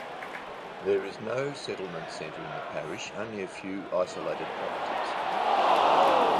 There is no settlement centre in the parish, only a few isolated properties.